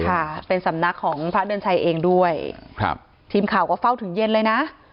ค่ะเป็นสำนักของพระเดือนชัยเองด้วยครับทีมข่าวก็เฝ้าถึงเย็นเลยนะ